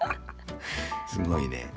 すごいね。